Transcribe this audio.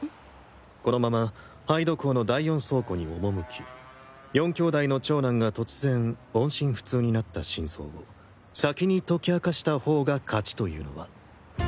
このまま杯戸港の第４倉庫に赴き４兄弟の長男が突然音信不通になった真相を先に解き明かしたほうが勝ちというのは？